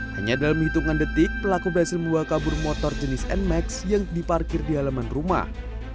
hanya dalam hitungan detik pelaku berhasil membawa kabur motor jenis nmax yang diparkir di halaman rumah